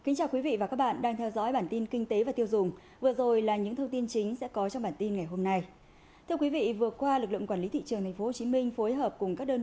hãy đăng ký kênh để ủng hộ kênh của chúng mình nhé